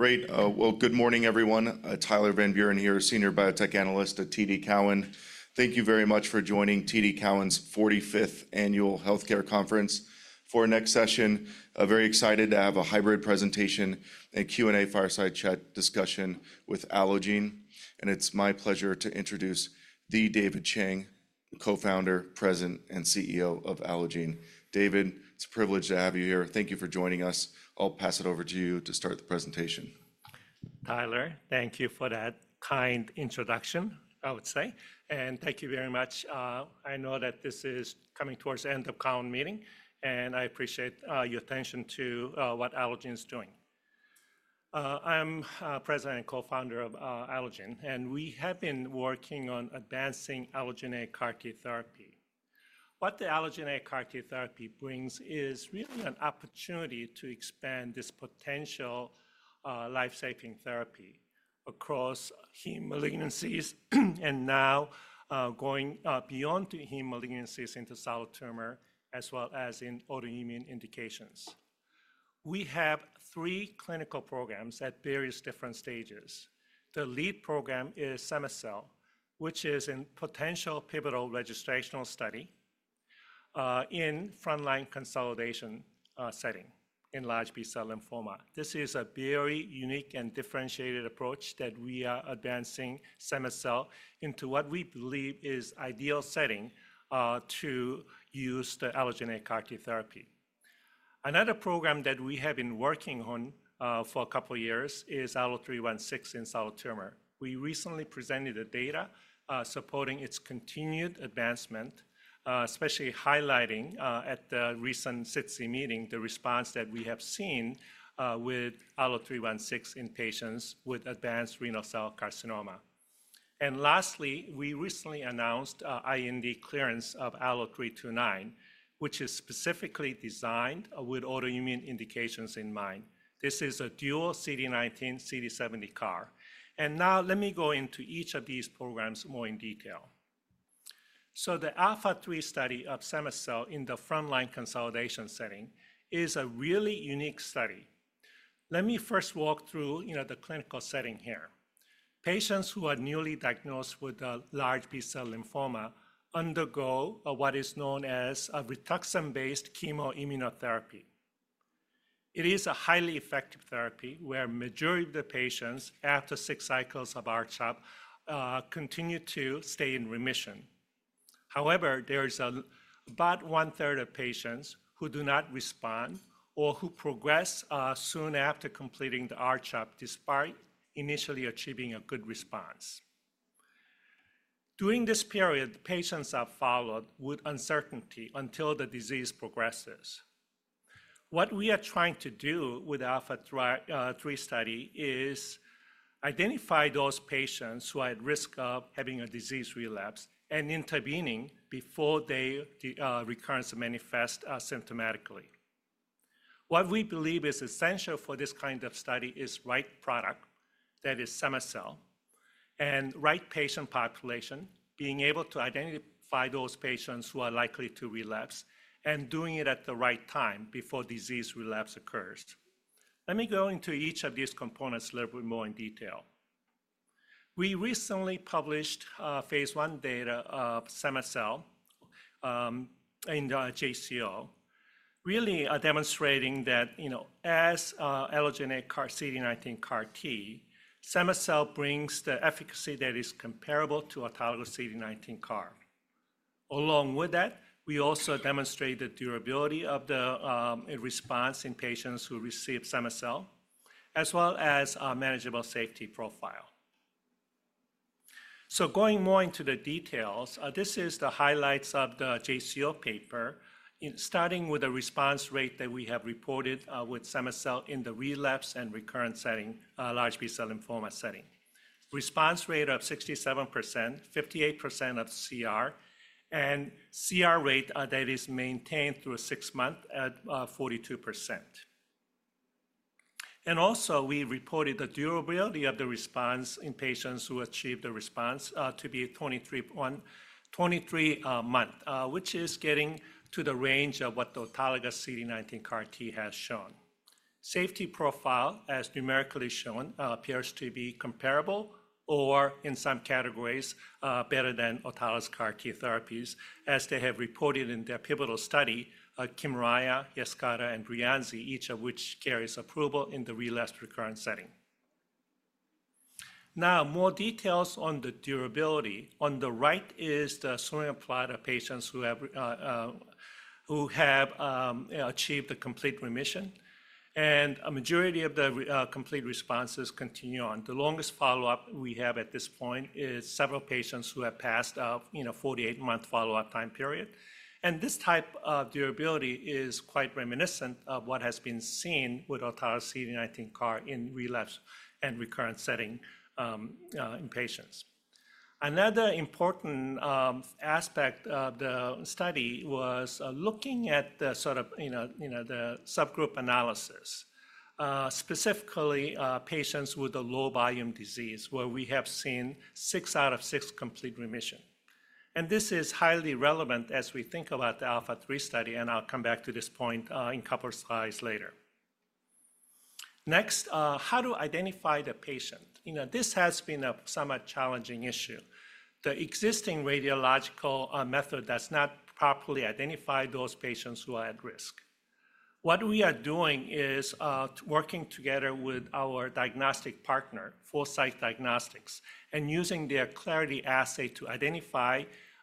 Great. Good morning, everyone. Tyler Van Buren here, Senior Biotech Analyst at TD Cowen. Thank you very much for joining TD Cowen's 45th Annual Healthcare Conference. For our next session, I'm very excited to have a hybrid presentation and Q&A fireside chat discussion with Allogene. It's my pleasure to introduce David Chang, the co-founder, President, and CEO of Allogene. David, it's a privilege to have you here. Thank you for joining us. I'll pass it over to you to start the presentation. Tyler, thank you for that kind introduction, I would say. Thank you very much. I know that this is coming towards the end of the Cowen meeting, and I appreciate your attention to what Allogene is doing. I'm President and co-founder of Allogene, and we have been working on advancing Allogene CAR T therapy. What the Allogene CAR T therapy brings is really an opportunity to expand this potential life-saving therapy across heme malignancies, and now going beyond the heme malignancies into solid tumor, as well as in autoimmune indications. We have three clinical programs at various different stages. The lead program is cema-cel, which is a potential pivotal registrational study in frontline consolidation setting in large B-cell lymphoma. This is a very unique and differentiated approach that we are advancing cema-cel into what we believe is the ideal setting to use the Allogene CAR T therapy. Another program that we have been working on for a couple of years is ALLO-316 in solid tumor. We recently presented the data supporting its continued advancement, especially highlighting at the recent SITC meeting the response that we have seen with ALLO-316 in patients with advanced renal cell carcinoma. Lastly, we recently announced IND clearance of ALLO-329, which is specifically designed with autoimmune indications in mind. This is a dual CD19, CD70 CAR. Now let me go into each of these programs more in detail. The ALPHA3 study of cema-cel in the frontline consolidation setting is a really unique study. Let me first walk through the clinical setting here. Patients who are newly diagnosed with a large B-cell lymphoma undergo what is known as a rituximab-based chemoimmunotherapy. It is a highly effective therapy where the majority of the patients after six cycles of R-CHOP continue to stay in remission. However, there is about one-third of patients who do not respond or who progress soon after completing the R-CHOP despite initially achieving a good response. During this period, patients are followed with uncertainty until the disease progresses. What we are trying to do with the ALPHA3 study is identify those patients who are at risk of having a disease relapse and intervening before their recurrence manifests symptomatically. What we believe is essential for this kind of study is the right product, that is cema-cel, and the right patient population, being able to identify those patients who are likely to relapse and doing it at the right time before disease relapse occurs. Let me go into each of these components a little bit more in detail. We recently published phase 1 data of cema-cel in the JCO, really demonstrating that as Allogene CAR CD19 CAR T, cema-cel brings the efficacy that is comparable to autologous CD19 CAR. Along with that, we also demonstrated the durability of the response in patients who receive cema-cel, as well as a manageable safety profile. Going more into the details, this is the highlights of the JCO paper, starting with the response rate that we have reported with cema-cel in the relapse and recurrent setting, large B-cell lymphoma setting. Response rate of 67%, 58% of CR, and CR rate that is maintained through six months at 42%. We also reported the durability of the response in patients who achieved the response to be 23 months, which is getting to the range of what the autologous CD19 CAR T has shown. Safety profile, as numerically shown, appears to be comparable or in some categories better than autologous CAR T therapies, as they have reported in their pivotal study, Kymriah, Yescarta, and Breyanzi, each of which carries approval in the relapse recurrent setting. Now, more details on the durability. On the right is the swimmer plot applied to patients who have achieved complete remission, and a majority of the complete responses continue on. The longest follow-up we have at this point is several patients who have passed out in a 48-month follow-up time period. This type of durability is quite reminiscent of what has been seen with autologous CD19 CAR in relapse and recurrent setting in patients. Another important aspect of the study was looking at the sort of subgroup analysis, specifically patients with a low-volume disease where we have seen six out of six complete remission. This is highly relevant as we think about the ALPHA3 study, and I'll come back to this point in a couple of slides later. Next, how to identify the patient. This has been a somewhat challenging issue. The existing radiological method does not properly identify those patients who are at risk. What we are doing is working together with our diagnostic partner, Foresight Diagnostics, and using their PhasED-Seq to identify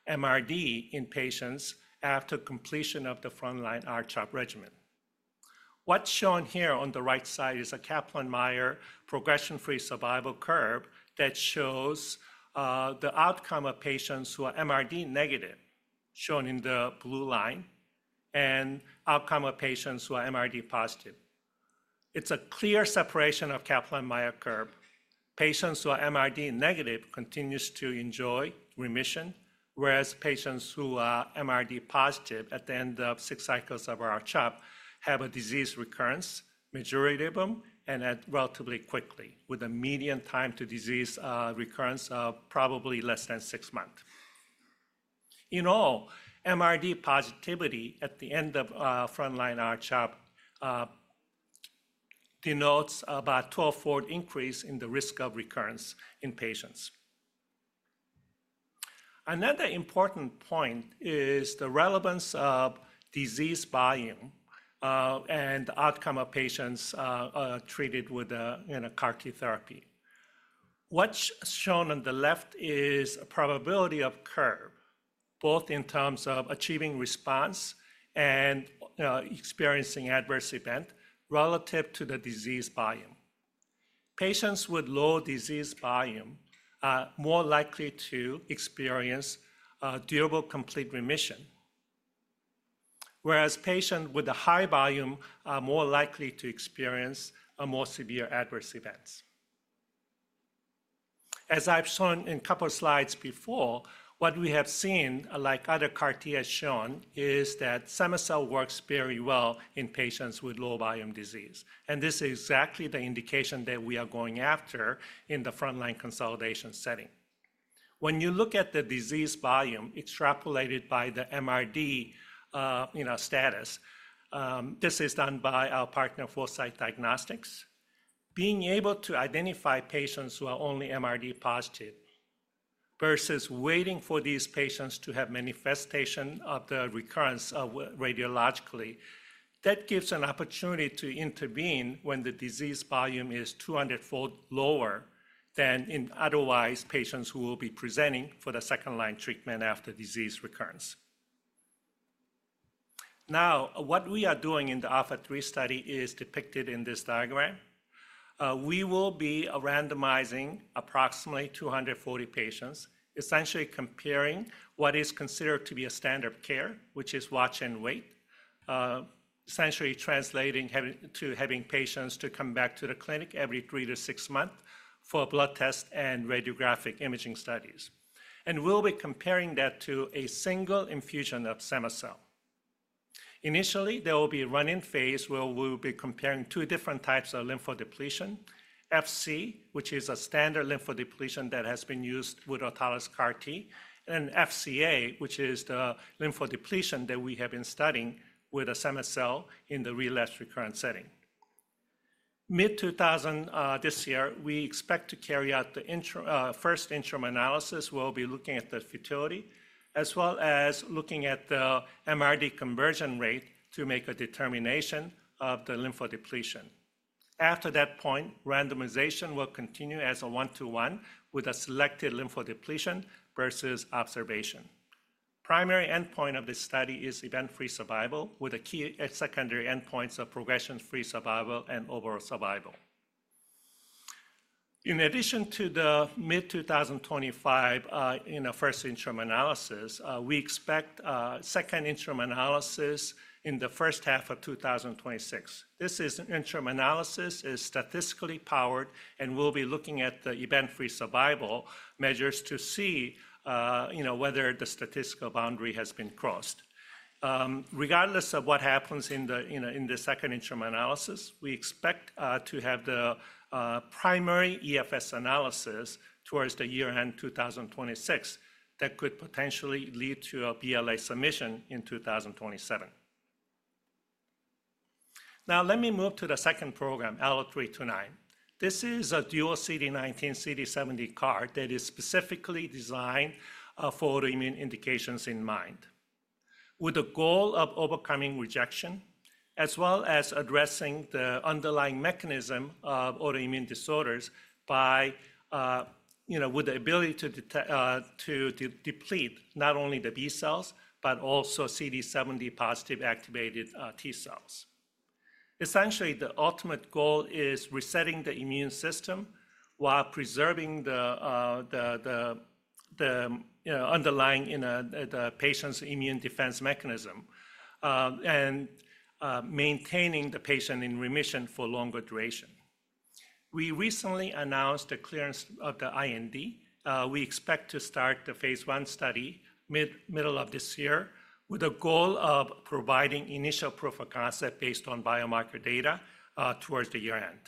MRD in patients after completion of the frontline R-CHOP regimen. What's shown here on the right side is a Kaplan-Meier progression-free survival curve that shows the outcome of patients who are MRD negative, shown in the blue line, and the outcome of patients who are MRD positive. It's a clear separation of Kaplan-Meier curve. Patients who are MRD negative continue to enjoy remission, whereas patients who are MRD positive at the end of six cycles of R-CHOP have a disease recurrence, the majority of them, and relatively quickly, with a median time to disease recurrence of probably less than six months. In all, MRD positivity at the end of frontline R-CHOP denotes about a 12-fold increase in the risk of recurrence in patients. Another important point is the relevance of disease volume and the outcome of patients treated with CAR T therapy. What's shown on the left is a probability curve, both in terms of achieving response and experiencing adverse events relative to the disease volume. Patients with low disease volume are more likely to experience durable complete remission, whereas patients with a high volume are more likely to experience more severe adverse events. As I've shown in a couple of slides before, what we have seen, like other CAR T has shown, is that cema-cel works very well in patients with low-volume disease. This is exactly the indication that we are going after in the frontline consolidation setting. When you look at the disease volume extrapolated by the MRD status, this is done by our partner, Foresight Diagnostics, being able to identify patients who are only MRD positive versus waiting for these patients to have manifestation of the recurrence radiologically. That gives an opportunity to intervene when the disease volume is 200-fold lower than in otherwise patients who will be presenting for the second line treatment after disease recurrence. Now, what we are doing in the ALPHA3 study is depicted in this diagram. We will be randomizing approximately 240 patients, essentially comparing what is considered to be a standard of care, which is watch and wait, essentially translating to having patients come back to the clinic every three to six months for blood tests and radiographic imaging studies. We will be comparing that to a single infusion of cema-cel. Initially, there will be a run-in phase where we will be comparing two different types of lymphodepletion, FC, which is a standard lymphodepletion that has been used with autologous CAR T, and FCA, which is the lymphodepletion that we have been studying with cema-cel in the relapse recurrent setting. Mid-2024 this year, we expect to carry out the first interim analysis. We will be looking at the futility, as well as looking at the MRD conversion rate to make a determination of the lymphodepletion. After that point, randomization will continue as a one-to-one with a selected lymphodepletion versus observation. The primary endpoint of this study is event-free survival, with key secondary endpoints of progression-free survival and overall survival. In addition to the mid-2025 first interim analysis, we expect a second interim analysis in the first half of 2026. This interim analysis is statistically powered, and we'll be looking at the event-free survival measures to see whether the statistical boundary has been crossed. Regardless of what happens in the second interim analysis, we expect to have the primary EFS analysis towards the year-end 2026 that could potentially lead to a BLA submission in 2027. Now, let me move to the second program, ALLO-329. This is a dual CD19, CD70 CAR that is specifically designed for autoimmune indications in mind, with the goal of overcoming rejection, as well as addressing the underlying mechanism of autoimmune disorders with the ability to deplete not only the B-cells, but also CD70 positive activated T-cells. Essentially, the ultimate goal is resetting the immune system while preserving the underlying patient's immune defense mechanism and maintaining the patient in remission for a longer duration. We recently announced the clearance of the IND. We expect to start the Phase 1 study middle of this year with a goal of providing initial prophylaxis based on biomarker data towards the year-end.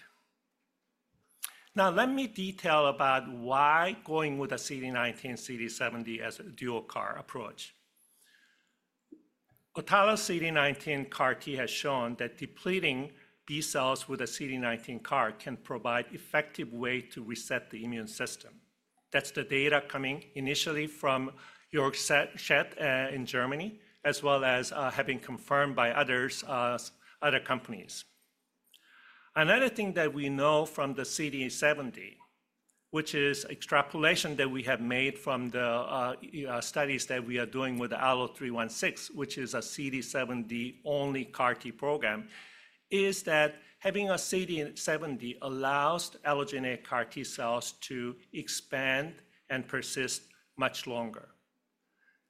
Now, let me detail about why going with a CD19, CD70 as a dual CAR approach. Autologous CD19 CAR T has shown that depleting B-cells with a CD19 CAR can provide an effective way to reset the immune system. That's the data coming initially from Erlangen in Germany, as well as having been confirmed by other companies. Another thing that we know from the CD70, which is extrapolation that we have made from the studies that we are doing with ALLO-316, which is a CD70-only CAR T program, is that having a CD70 allows allogeneic CAR T cells to expand and persist much longer.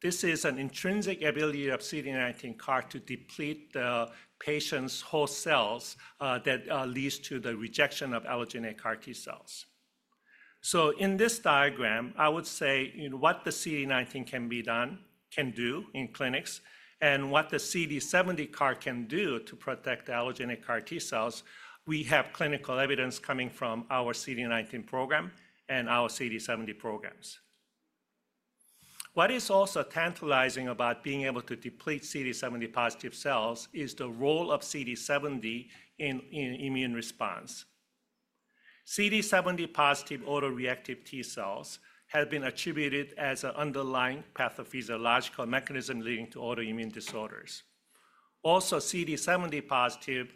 This is an intrinsic ability of CD19 CAR to deplete the patient's whole cells that leads to the rejection of allogeneic CAR T cells. In this diagram, I would say what the CD19 can be done, can do in clinics, and what the CD70 CAR can do to protect the allogeneic CAR T cells, we have clinical evidence coming from our CD19 program and our CD70 programs. What is also tantalizing about being able to deplete CD70 positive cells is the role of CD70 in immune response. CD70 positive autoreactive T-cells have been attributed as an underlying pathophysiological mechanism leading to autoimmune disorders. Also, CD70 positive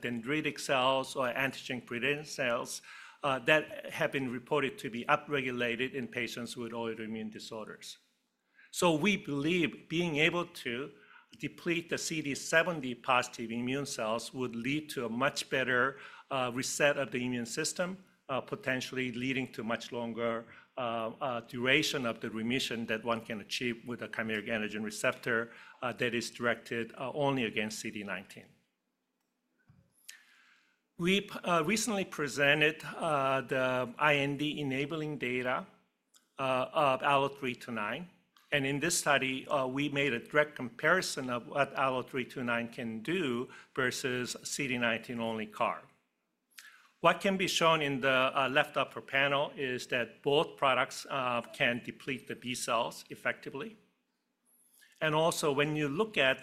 dendritic cells or antigen presenting cells that have been reported to be upregulated in patients with autoimmune disorders. We believe being able to deplete the CD70 positive immune cells would lead to a much better reset of the immune system, potentially leading to a much longer duration of the remission that one can achieve with a chimeric antigen receptor that is directed only against CD19. We recently presented the IND enabling data of ALLO-329. In this study, we made a direct comparison of what ALLO-329 can do versus CD19-only CAR. What can be shown in the left upper panel is that both products can deplete the B-cells effectively. Also, when you look at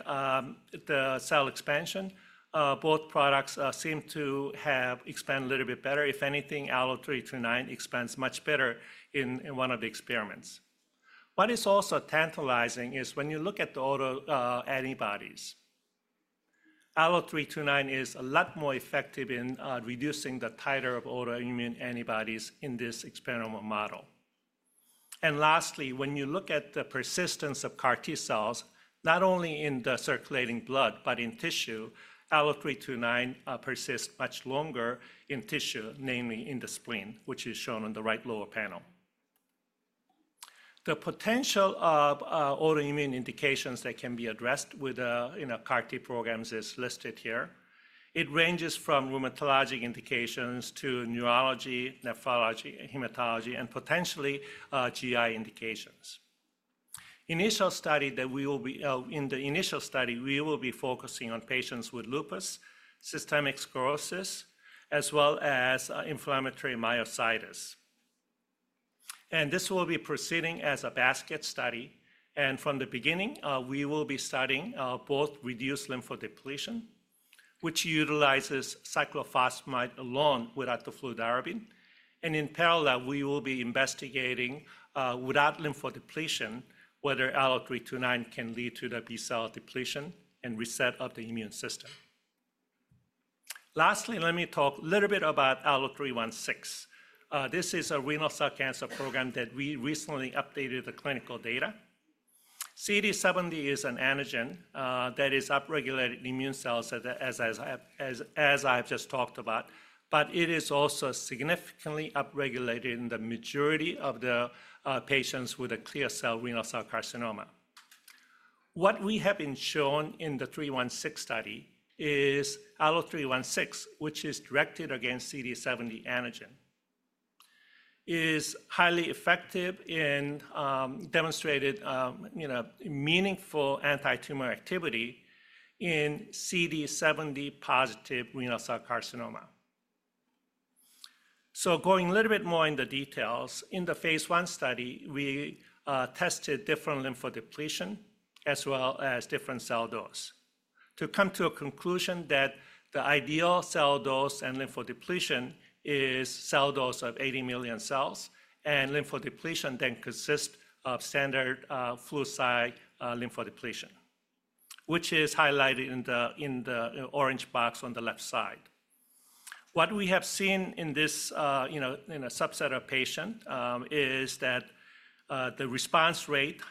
the cell expansion, both products seem to have expanded a little bit better. If anything, ALLO-329 expands much better in one of the experiments. What is also tantalizing is when you look at the autoantibodies. ALLO-329 is a lot more effective in reducing the titer of autoimmune antibodies in this experimental model. Lastly, when you look at the persistence of CAR T cells, not only in the circulating blood, but in tissue, ALLO-329 persists much longer in tissue, namely in the spleen, which is shown on the right lower panel. The potential of autoimmune indications that can be addressed with CAR T programs is listed here. It ranges from rheumatologic indications to neurology, nephrology, hematology, and potentially GI indications. In the initial study, we will be focusing on patients with lupus, systemic sclerosis, as well as inflammatory myositis. This will be proceeding as a basket study. From the beginning, we will be studying both reduced lymphodepletion, which utilizes cyclophosphamide alone without the fludarabine. In parallel, we will be investigating without lymphodepletion whether ALLO-329 can lead to the B-cell depletion and reset of the immune system. Lastly, let me talk a little bit about ALLO-316. This is a renal cell cancer program that we recently updated the clinical data. CD70 is an antigen that is upregulated in immune cells, as I have just talked about, but it is also significantly upregulated in the majority of the patients with a clear cell renal cell carcinoma. What we have been shown in the 316 study is ALLO-316, which is directed against CD70 antigen, is highly effective in demonstrating meaningful anti-tumor activity in CD70 positive renal cell carcinoma. Going a little bit more into details, in the Phase 1 study, we tested different lymphodepletion as well as different cell dose to come to a conclusion that the ideal cell dose and lymphodepletion is cell dose of 80 million cells, and lymphodepletion then consists of standard Flu/Cy lymphodepletion, which is highlighted in the orange box on the left side. What we have seen in this subset of patients is that the response rate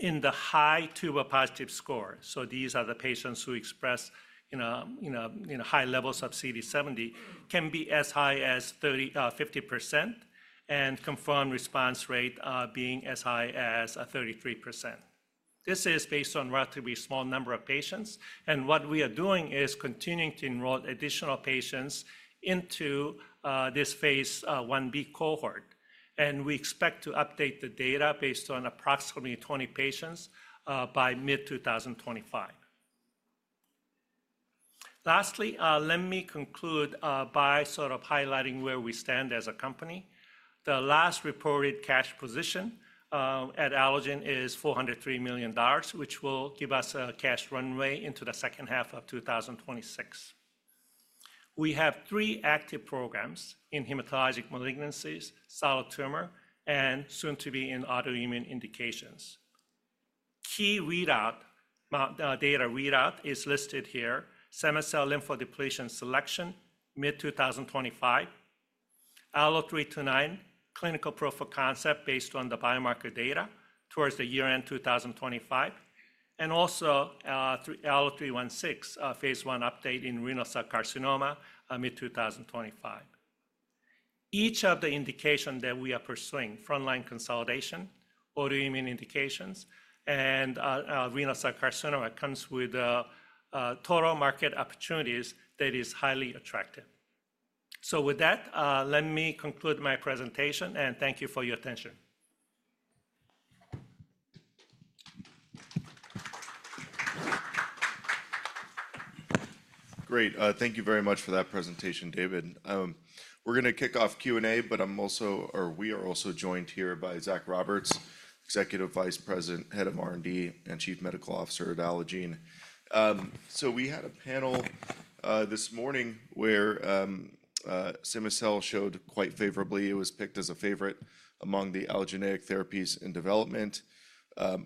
in the high tumor positive score, so these are the patients who express high levels of CD70, can be as high as 50% and confirmed response rate being as high as 33%. This is based on a relatively small number of patients. What we are doing is continuing to enroll additional patients into this Phase 1b cohort. We expect to update the data based on approximately 20 patients by mid-2025. Lastly, let me conclude by sort of highlighting where we stand as a company. The last reported cash position at Allogene is $403 million, which will give us a cash runway into the second half of 2026. We have three active programs in hematologic malignancies, solid tumor, and soon to be in autoimmune indications. Key data readout is listed here, cema-cel lymphodepletion selection, mid-2025, ALLO-329 clinical prophylaxis based on the biomarker data towards the year-end 2025, and also ALLO-316 Phase 1 update in renal cell carcinoma mid-2025. Each of the indications that we are pursuing, frontline consolidation, autoimmune indications, and renal cell carcinoma comes with total market opportunities that are highly attractive. Let me conclude my presentation, and thank you for your attention. Great. Thank you very much for that presentation, David. We're going to kick off Q&A, but we are also joined here by Zach Roberts, Executive Vice President, Head of R&D, and Chief Medical Officer at Allogene. We had a panel this morning where cema-cel showed quite favorably. It was picked as a favorite among the allogeneic therapies in development.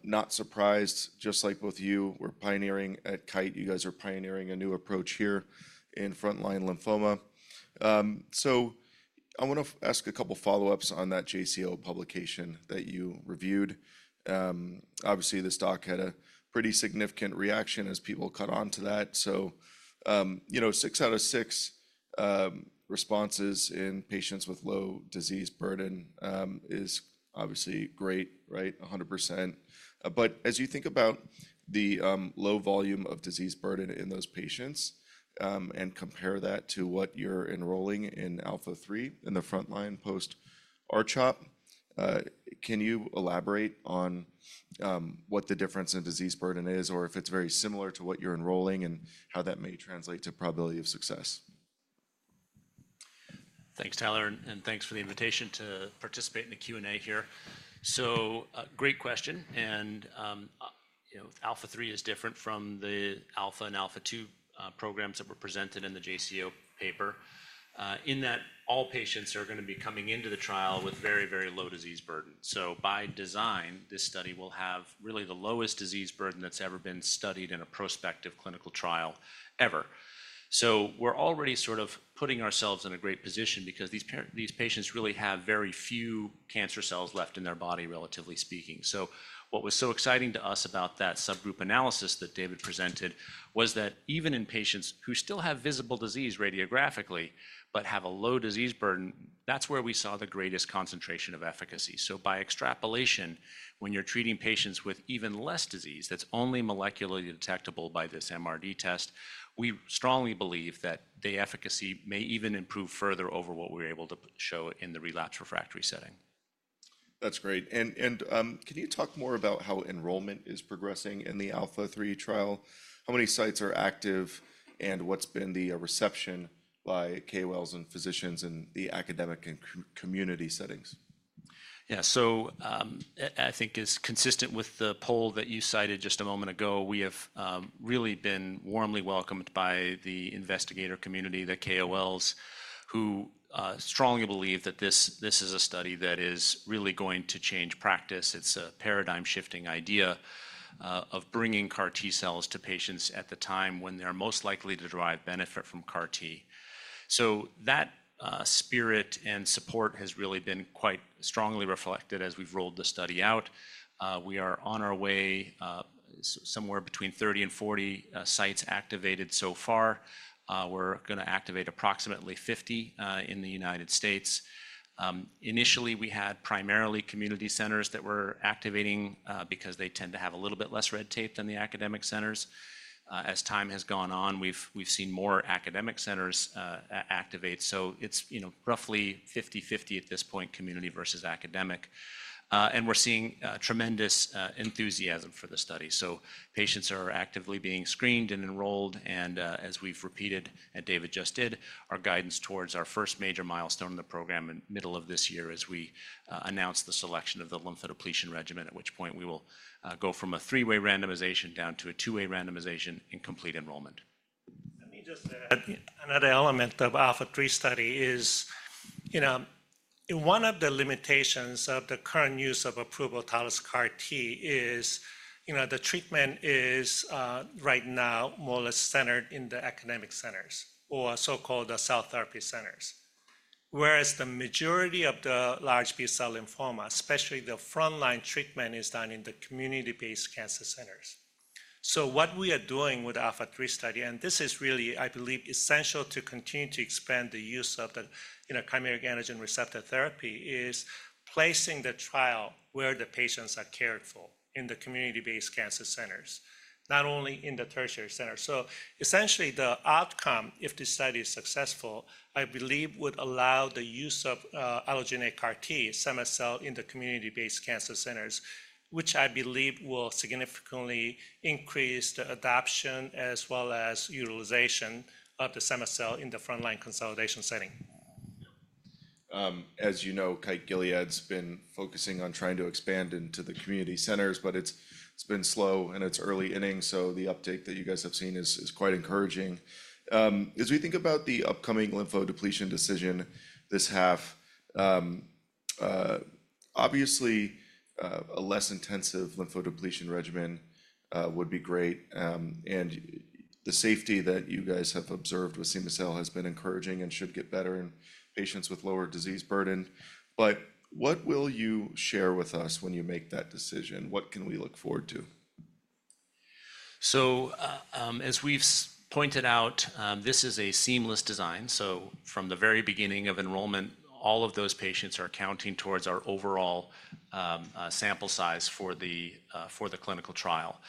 Not surprised, just like both you were pioneering at Kite, you guys are pioneering a new approach here in frontline lymphoma. I want to ask a couple of follow-ups on that JCO publication that you reviewed. Obviously, this doc had a pretty significant reaction as people caught on to that. Six out of six responses in patients with low disease burden is obviously great, right? 100%. As you think about the low volume of disease burden in those patients and compare that to what you're enrolling in ALPHA3 in the frontline post-R-CHOP, can you elaborate on what the difference in disease burden is, or if it's very similar to what you're enrolling and how that may translate to probability of success? Thanks, Tyler, and thanks for the invitation to participate in the Q&A here. Great question. ALPHA3 is different from the ALPHA and ALPHA2 programs that were presented in the JCO paper in that all patients are going to be coming into the trial with very, very low disease burden. By design, this study will have really the lowest disease burden that's ever been studied in a prospective clinical trial ever. We're already sort of putting ourselves in a great position because these patients really have very few cancer cells left in their body, relatively speaking. What was so exciting to us about that subgroup analysis that David presented was that even in patients who still have visible disease radiographically but have a low disease burden, that's where we saw the greatest concentration of efficacy. By extrapolation, when you're treating patients with even less disease that's only molecularly detectable by this MRD test, we strongly believe that the efficacy may even improve further over what we were able to show in the relapse refractory setting. That's great. Can you talk more about how enrollment is progressing in the ALPHA3 trial? How many sites are active, and what's been the reception by KOLs and physicians in the academic and community settings? Yeah, I think it's consistent with the poll that you cited just a moment ago. We have really been warmly welcomed by the investigator community, the KOLs who strongly believe that this is a study that is really going to change practice. It's a paradigm-shifting idea of bringing CAR T cells to patients at the time when they're most likely to derive benefit from CAR T. That spirit and support has really been quite strongly reflected as we've rolled the study out. We are on our way, somewhere between 30-40 sites activated so far. We're going to activate approximately 50 in the United States. Initially, we had primarily community centers that were activating because they tend to have a little bit less red tape than the academic centers. As time has gone on, we've seen more academic centers activate. It is roughly 50-50 at this point, community versus academic. We are seeing tremendous enthusiasm for the study. Patients are actively being screened and enrolled. As we have repeated, and David just did, our guidance towards our first major milestone in the program in the middle of this year is we announce the selection of the lymphodepletion regimen, at which point we will go from a three-way randomization down to a two-way randomization in complete enrollment. Let me just. Another element of the ALPHA3 study is one of the limitations of the current use of approved autologous CAR T is the treatment is right now more or less centered in the academic centers or so-called cell therapy centers, whereas the majority of the large B-cell lymphoma, especially the frontline treatment, is done in the community-based cancer centers. What we are doing with the ALPHA3 study, and this is really, I believe, essential to continue to expand the use of the chimeric antigen receptor therapy, is placing the trial where the patients are cared for in the community-based cancer centers, not only in the tertiary centers. Essentially, the outcome, if this study is successful, I believe would allow the use of allogeneic CAR T, cema-cel, in the community-based cancer centers, which I believe will significantly increase the adoption as well as utilization of the cema-cel in the frontline consolidation setting. As you know, Kite Gilead's been focusing on trying to expand into the community centers, but it's been slow and it's early inning. The uptake that you guys have seen is quite encouraging. As we think about the upcoming lymphodepletion decision this half, obviously, a less intensive lymphodepletion regimen would be great. The safety that you guys have observed with cema-cel has been encouraging and should get better in patients with lower disease burden. What will you share with us when you make that decision? What can we look forward to? As we've pointed out, this is a seamless design. From the very beginning of enrollment, all of those patients are counting towards our overall sample size for the clinical trial.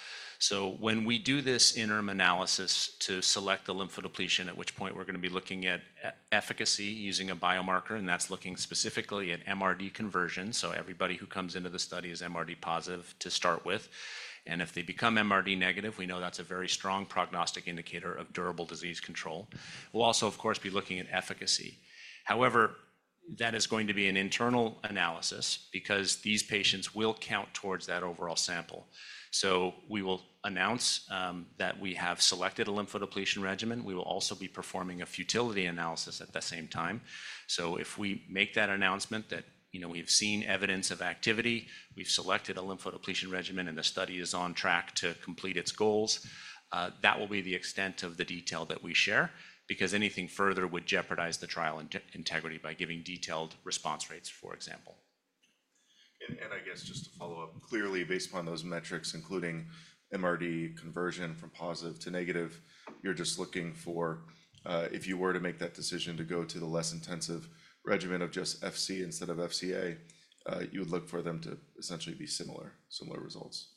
When we do this interim analysis to select the lymphodepletion, at which point we're going to be looking at efficacy using a biomarker, and that's looking specifically at MRD conversion. Everybody who comes into the study is MRD positive to start with. If they become MRD negative, we know that's a very strong prognostic indicator of durable disease control. We'll also, of course, be looking at efficacy. However, that is going to be an internal analysis because these patients will count towards that overall sample. We will announce that we have selected a lymphodepletion regimen. We will also be performing a futility analysis at the same time. If we make that announcement that we've seen evidence of activity, we've selected a lymphodepletion regimen, and the study is on track to complete its goals, that will be the extent of the detail that we share because anything further would jeopardize the trial integrity by giving detailed response rates, for example. I guess just to follow up, clearly, based upon those metrics, including MRD conversion from positive to negative, you're just looking for if you were to make that decision to go to the less intensive regimen of just FC instead of FCA, you would look for them to essentially be similar, similar results.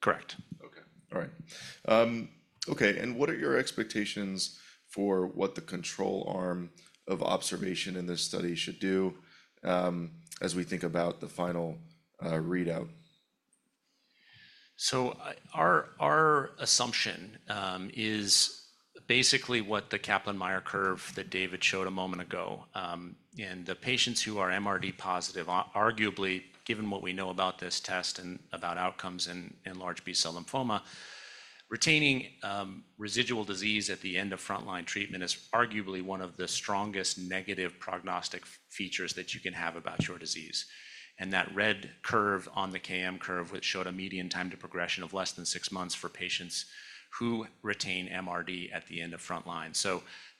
Correct. Okay. All right. Okay. What are your expectations for what the control arm of observation in this study should do as we think about the final readout? Our assumption is basically what the Kaplan-Meier curve that David showed a moment ago. The patients who are MRD positive, arguably, given what we know about this test and about outcomes in large B-cell lymphoma, retaining residual disease at the end of frontline treatment is arguably one of the strongest negative prognostic features that you can have about your disease. That red curve on the KM curve, which showed a median time to progression of less than six months for patients who retain MRD at the end of frontline.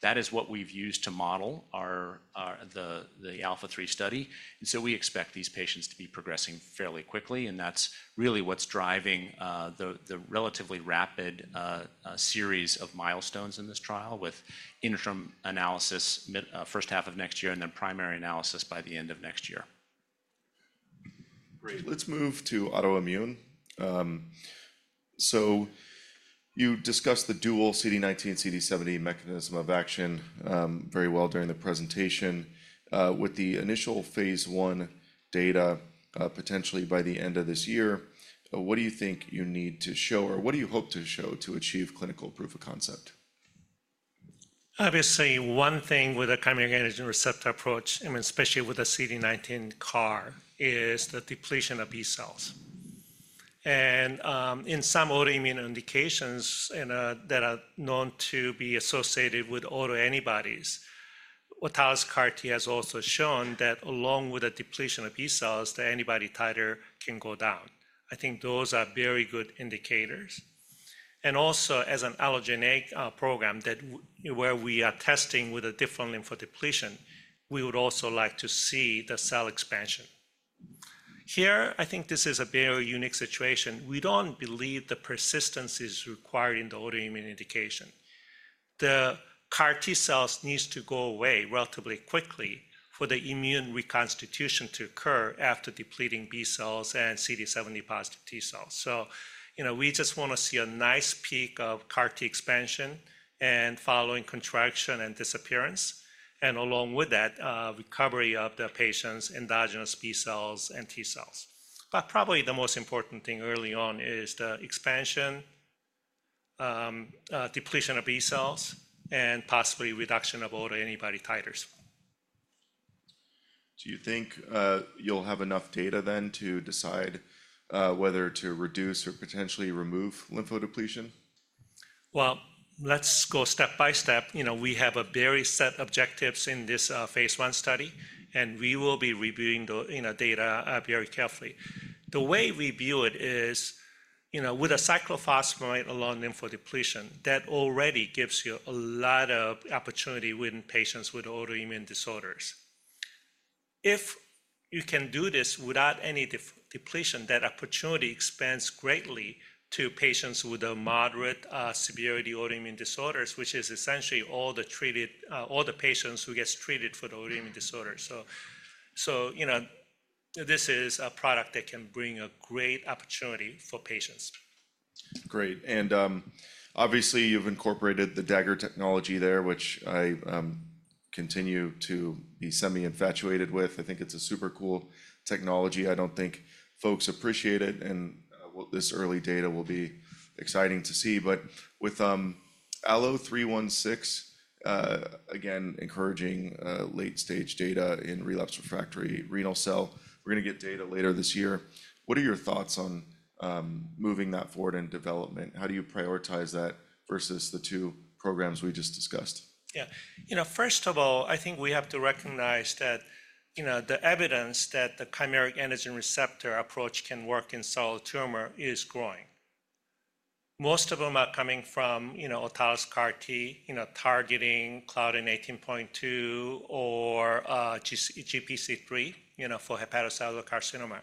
That is what we've used to model the ALPHA3 study. We expect these patients to be progressing fairly quickly. That is really what's driving the relatively rapid series of milestones in this trial with interim analysis first half of next year and then primary analysis by the end of next year. Great. Let's move to autoimmune. You discussed the dual CD19, CD70 mechanism of action very well during the presentation. With the initial Phase 1 data potentially by the end of this year, what do you think you need to show, or what do you hope to show to achieve clinical proof of concept? Obviously, one thing with the chimeric antigen receptor approach, and especially with the CD19 CAR, is the depletion of B cells. In some autoimmune indications that are known to be associated with autoantibodies, autologous CAR T has also shown that along with the depletion of B cells, the antibody titer can go down. I think those are very good indicators. Also, as an allogeneic program where we are testing with a different lymphodepletion, we would also like to see the cell expansion. Here, I think this is a very unique situation. We do not believe the persistence is required in the autoimmune indication. The CAR T cells need to go away relatively quickly for the immune reconstitution to occur after depleting B cells and CD70 positive T cells. We just want to see a nice peak of CAR T expansion and following contraction and disappearance, and along with that, recovery of the patient's endogenous B cells and T cells. Probably the most important thing early on is the expansion, depletion of B cells, and possibly reduction of autoantibody titers. Do you think you'll have enough data then to decide whether to reduce or potentially remove lymphodepletion? Let's go step by step. We have very set objectives in this Phase 1 study, and we will be reviewing the data very carefully. The way we view it is with a cyclophosphamide-alone lymphodepletion, that already gives you a lot of opportunity with patients with autoimmune disorders. If you can do this without any depletion, that opportunity expands greatly to patients with moderate severity autoimmune disorders, which is essentially all the patients who get treated for the autoimmune disorders. This is a product that can bring a great opportunity for patients. Great. Obviously, you've incorporated the Dagger technology there, which I continue to be semi-infatuated with. I think it's a super cool technology. I don't think folks appreciate it, and this early data will be exciting to see. With ALLO-316, again, encouraging late-stage data in relapse refractory renal cell, we're going to get data later this year. What are your thoughts on moving that forward in development? How do you prioritize that versus the two programs we just discussed? Yeah. First of all, I think we have to recognize that the evidence that the chimeric antigen receptor approach can work in solid tumor is growing. Most of them are coming from autologous CAR T targeting CLDN18.2 or GPC3 for hepatocellular carcinoma.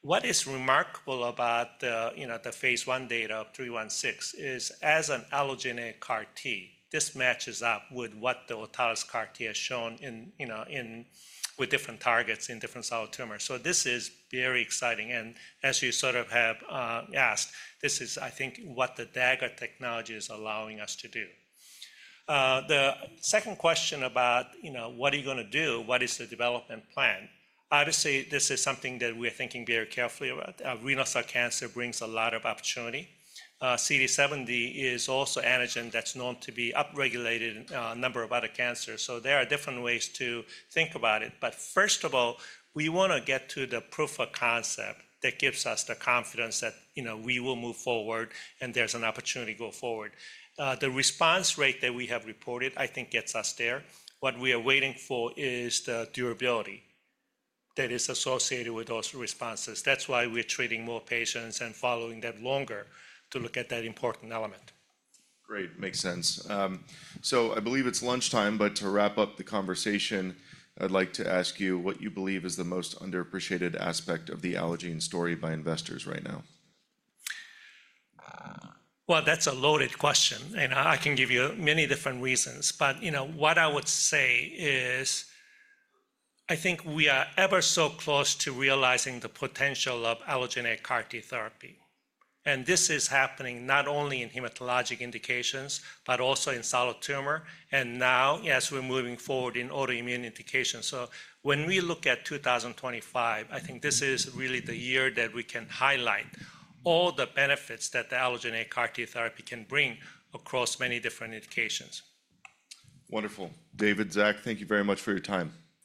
What is remarkable about the Phase 1 data of 316 is, as an allogeneic CAR T, this matches up with what the autologous CAR T has shown with different targets in different solid tumors. This is very exciting. As you sort of have asked, this is, I think, what the Dagger technology is allowing us to do. The second question about what are you going to do, what is the development plan? Obviously, this is something that we're thinking very carefully about. Renal cell cancer brings a lot of opportunity. CD70 is also antigen that's known to be upregulated in a number of other cancers. There are different ways to think about it. First of all, we want to get to the proof of concept that gives us the confidence that we will move forward and there is an opportunity to go forward. The response rate that we have reported, I think, gets us there. What we are waiting for is the durability that is associated with those responses. That is why we are treating more patients and following them longer to look at that important element. Great. Makes sense. I believe it's lunchtime, but to wrap up the conversation, I'd like to ask you what you believe is the most underappreciated aspect of the Allogene story by investors right now. That's a loaded question, and I can give you many different reasons. What I would say is, I think we are ever so close to realizing the potential of allogeneic CAR T therapy. This is happening not only in hematologic indications, but also in solid tumor. Now, as we're moving forward in autoimmune indications. When we look at 2025, I think this is really the year that we can highlight all the benefits that the allogeneic CAR T therapy can bring across many different indications. Wonderful. David, Zach, thank you very much for your time.